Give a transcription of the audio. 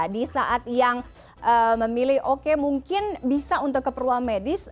di saat yang memilih oke mungkin bisa untuk keperluan medis